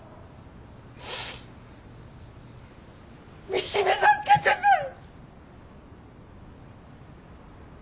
惨めなんかじゃない！